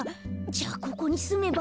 じゃあここにすめば？